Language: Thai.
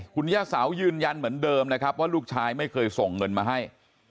คุณย่าเสายืนยันเหมือนเดิมนะครับว่าลูกชายไม่เคยส่งเงินมาให้